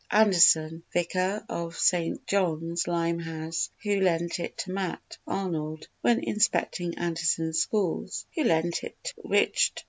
Anderson_, Vicar of S. John's, Limehouse, who lent it to Matt. Arnold (when inspecting Anderson's Schools) _who lent it to Richd.